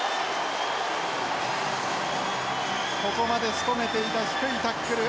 ここまでしとめていた低いタックル。